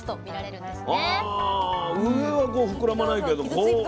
上はこう膨らまないけどこうね